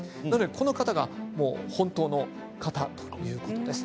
この方が本当の方ということです。